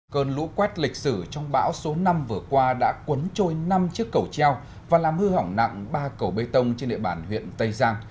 cơn lũ quét lịch sử trong bão số năm vừa qua đã cuốn trôi năm chiếc cầu treo và làm hư hỏng nặng ba cầu bê tông trên địa bàn huyện tây giang